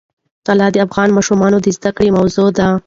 طلا د افغان ماشومانو د زده کړې موضوع ده.